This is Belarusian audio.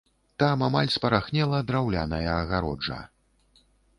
Там амаль спарахнела драўляная агароджа.